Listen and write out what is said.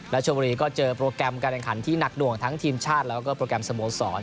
ชมบุรีก็เจอโปรแกรมการแข่งขันที่หนักหน่วงทั้งทีมชาติแล้วก็โปรแกรมสโมสร